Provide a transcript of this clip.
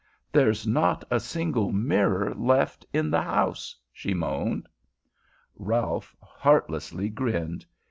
"There's not a single mirror left in the house!" she moaned. Ralph heartlessly grinned.